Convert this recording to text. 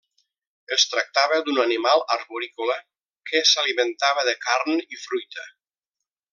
Es tractava d'un animal arborícola que s'alimentava de carn i fruita.